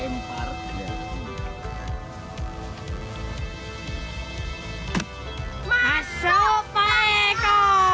masuk pak eko